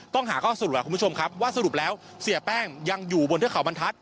หาข้อสรุปคุณผู้ชมครับว่าสรุปแล้วเสียแป้งยังอยู่บนเทือกเขาบรรทัศน